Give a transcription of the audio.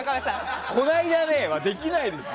この間ねはできないですよ。